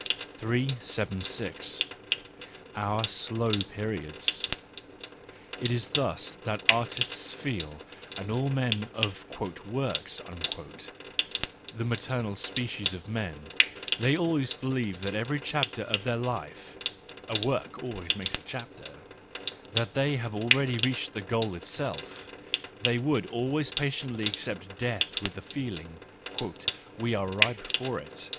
... 376. Our Slow Periods .—It is thus that artists feel, and all men of "works," the maternal species of men : they always believe at every chapter of their life—a work always makes a chapter—that they have already reached the goal itself; they would always patiently accept death with the feeling: "we are ripe for it."